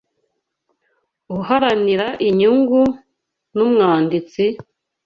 uharanira inyungu, n'umwanditsi